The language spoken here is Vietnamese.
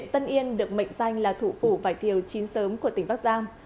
tân yên được mệnh danh là thủ phủ vải thiều chín sớm của tỉnh bắc giang